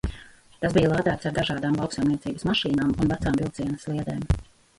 Tas bija lādēts ar dažādām lauksaimniecības mašīnām un vecām vilciena sliedēm.